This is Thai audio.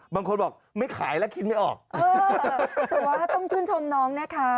บางคนบอกไม่ขายแล้วคิดไม่ออกเออแต่ว่าต้องชื่นชมน้องนะคะ